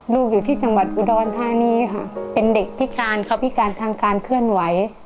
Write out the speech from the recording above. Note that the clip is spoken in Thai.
อยู่ที่จังหวัดอุดรธานีค่ะเป็นเด็กพิการเขาพิการทางการเคลื่อนไหว